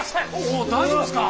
大丈夫ですか？